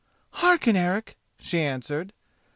"Hearken, Eric," she answered.